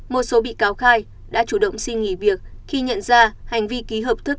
một số bị cáo khai đã chủ động suy nghĩ việc khi nhận ra hành vi ký hợp thức